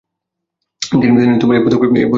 তিনি এই পদক্ষেপ গ্রহণ করেছিলেন।